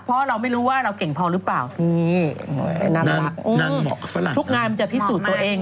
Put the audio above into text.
ทุกงานมันจะพิสูจน์ตัวเอง